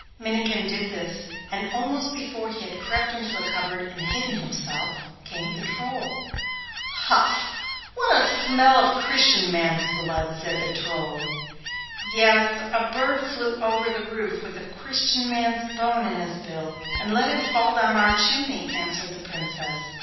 Minnikin did this, and almost before he had crept into the cupboard and hidden himself, came the Troll. 'Huf! What a smell of Christian man's blood!' said the Troll. 'Yes, a bird flew over the roof with a Christian man's bone in his bill, and let it fall down our chimney,' answered the Princess.